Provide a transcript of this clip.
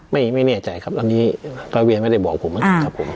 ไม่แน่ใจครับอันนี้ร้อยเวียนไม่ได้บอกผมนะครับผม